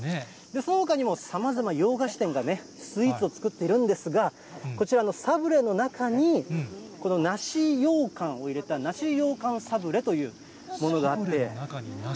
そのほかにもさまざま洋菓子店がね、スイーツを作ってるんですが、こちらのサブレの中に、この梨ようかんを入れた、梨ようかんさぶれというものがあって。